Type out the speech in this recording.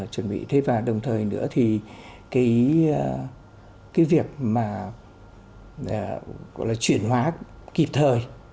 chuẩn bị thế và đồng thời nữa thì cái việc mà gọi là chuyển hóa kịp thời